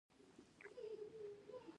خیرخانه کوتل کابل له کومې خوا نښلوي؟